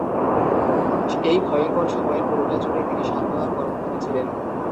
এই ভয়ঙ্কর সময়ের পুরোটা জুড়েই তিনি শান্ত আর কর্মক্ষম ছিলেন।